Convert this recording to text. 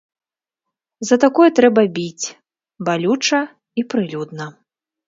За такое трэба біць, балюча і прылюдна.